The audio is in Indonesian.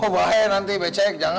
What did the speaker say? aduh bahaya nanti becek jangan